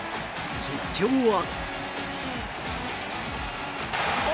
実況は。